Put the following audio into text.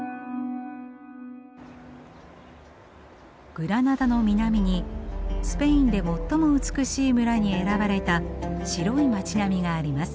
グラナダの南にスペインで最も美しい村に選ばれた白い町並みがあります。